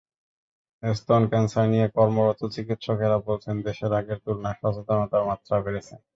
স্তন ক্যানসার নিয়ে কর্মরত চিকিৎসকেরা বলছেন, দেশে আগের তুলনায় সচেতনতার মাত্রা বেড়েছে।